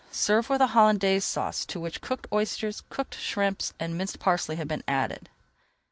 Serve with a Hollandaise Sauce to which cooked oysters, cooked shrimps, and minced parsley have been added.